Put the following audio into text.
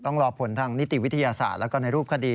ต้องรอผลทางนิติวิทยาศาสตร์แล้วก็ในรูปคดี